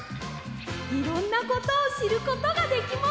いろんなことをしることができました。